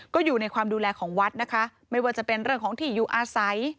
ก็อยู่ในความดูแลของวัดนะคะไม่ว่าจะเป็นเรื่องของที่อยู่อาศัย